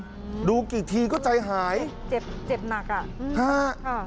มหานครดูกี่ทีก็ใจหายเจ็บเจ็บหนักอ่ะห้า